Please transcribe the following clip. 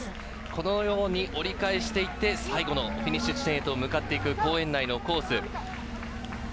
このように折り返して行って最後のフィニッシュ地点へと向かっていく公園内のコース。